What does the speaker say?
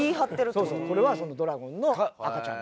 そうそうこれはそのドラゴンの赤ちゃん。